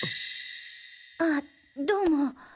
あどうも。